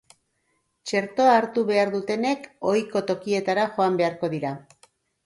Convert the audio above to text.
Txertoa hartu behar dutenek ohiko tokietara joan beharko dira.